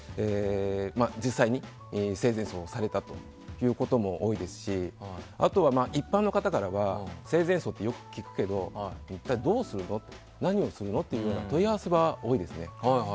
実際に生前葬をされたことも多いですしあとは、一般の方からは生前葬ってよく聞くけど一体どうするの何をするのという問い合わせは多いですね。